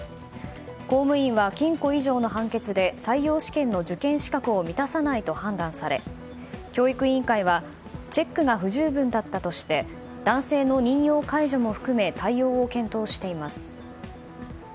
公務員は禁錮以上の判決で採用試験の受験資格を満たさないと判断され教育委員会はチェックが不十分だったとして男性の任用解除も含め対応を検討しています。